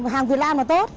hàng việt nam là tốt